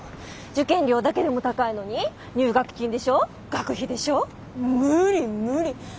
受験料だけでも高いのに入学金でしょ学費でしょ無理無理。